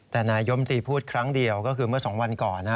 แต่นายมตรีพูดครั้งเดียวก็คือเมื่อ๒วันก่อน